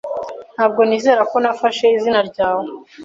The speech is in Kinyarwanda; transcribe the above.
Ntabwo nizera ko nafashe izina ryawe.